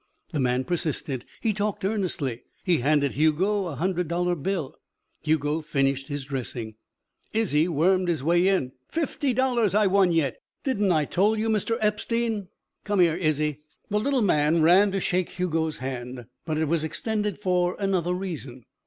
The man persisted. He talked earnestly. He handed Hugo a hundred dollar bill. Hugo finished his dressing. Izzie wormed his way in. "Fifty dollars I won yet! Didn't I tole you, Mr. Epstein!" "Come here, Izzie!" The little man ran to shake Hugo's hand, but it was extended for another reason.